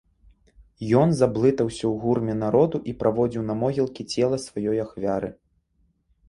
Ён заблытаўся ў гурме народу і праводзіў на могілкі цела сваёй ахвяры.